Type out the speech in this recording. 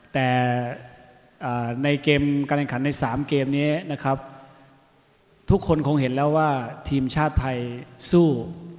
แต่ในเกมการแข่งขันใน๓เกมนี้นะครับทุกคนคงเห็นแล้วว่าทีมชาติไทยสู้